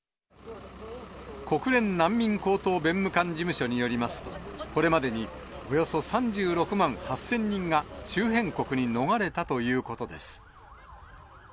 国連難民高等弁務官事務所によりますと、これまでにおよそ３６万８０００人が周辺国に逃れたということです。